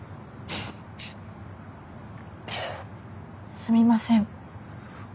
すみません。